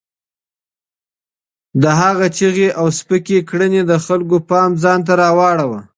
د هغه چیغې او سپکې کړنې د خلکو پام ځان ته رااړاوه.